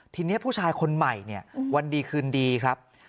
ทีนี้ผู้ชายคนใหม่เนี่ยวันดีคืนดีครับ